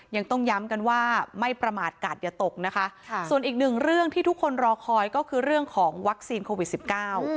ยังต้องย้ำกันว่าไม่ประมาทกาศอย่าตกนะคะค่ะส่วนอีกหนึ่งเรื่องที่ทุกคนรอคอยก็คือเรื่องของวัคซีนโควิดสิบเก้า